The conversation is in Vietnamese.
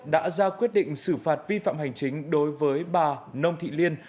đã ra quyết định xử phạt vi phạm hành chính đối với bà nông thị liên